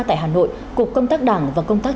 tại hà nội cục công tác đảng và công tác